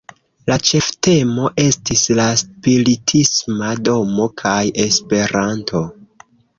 La ĉeftemo estis "La Spiritisma Domo kaj Esperanto".